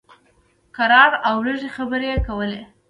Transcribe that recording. کرار او لږې خبرې یې کولې.